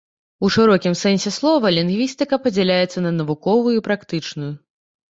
У шырокім сэнсе слова, лінгвістыка падзяляецца на навуковую і практычную.